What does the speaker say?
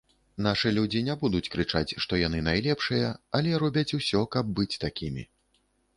Нашы людзі не будуць крычаць, што яны найлепшыя, але робяць усё, каб быць такімі.